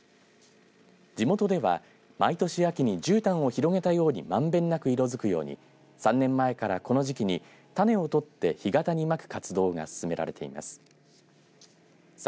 地元では毎年秋にじゅうたんを広げたようにまんべんなく色づくように３年前からこの時期にたねをとって干潟にまく活動が進められています。